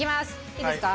いいですか？